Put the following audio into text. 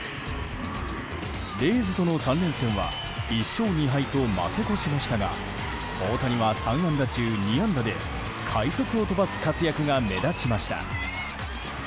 レイズとの３連戦は１勝２敗と負け越しましたが大谷は３安打中２安打で、快足を飛ばす活躍が目立ちました。